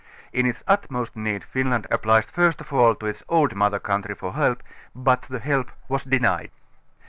In its utmost need Finland applied first of all to its old mother country for help, but the help was denied.